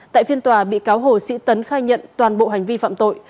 tại phiên tòa bị cáo hồ sĩ tấn khai nhận toàn bộ hành vi phạm tội